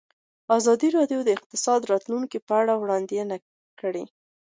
ازادي راډیو د اقتصاد د راتلونکې په اړه وړاندوینې کړې.